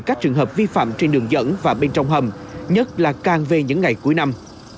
các trường hợp vi phạm trên đường dẫn và bên trong hầm nhất là càng về những ngày cuối năm